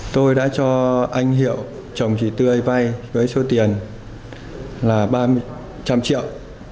tôi đã cho anh hiệu chồng chị tươi vay với số tiền là ba trăm linh triệu